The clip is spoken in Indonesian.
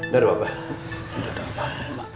gak ada apa apa